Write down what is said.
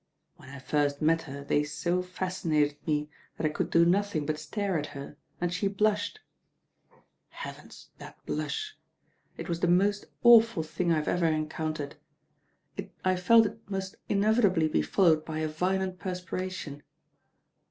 When I first met her they so fascin ated me that I could do nothing but stare at her, and she blushed. Heavens i that blush. It was the most awtui thing I have ever encountered. I felt that it must mevitably be followed by a violent perspiration.